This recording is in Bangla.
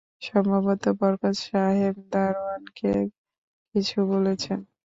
সম্ভবত বরকত সাহেব দারোয়ানকে কিছু বলেছেন।